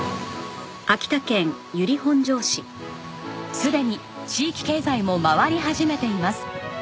すでに地域経済も回り始めています。